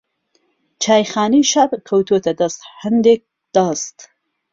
چایخانەی شەعب کەوتۆتە دەست ھەندێک دەست